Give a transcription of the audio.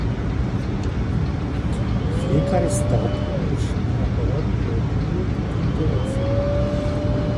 Fiecare stat își apără propriile interese.